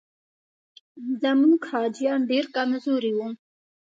زموږ حاجیان ډېر کمزوري وو.